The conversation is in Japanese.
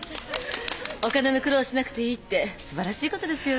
お金の苦労しなくていいって素晴らしいことですよね？